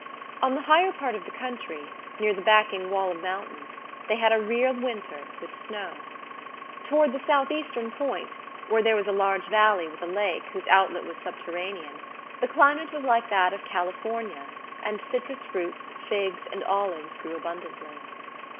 On the higher part of the country, near the backing wall of mountains, they had a real winter with snow. Toward the south eastern point, where there was a large valley with a lake whose outlet was subterranean, the climate was like that of California, and citrus fruits, figs, and olives grew abundantly.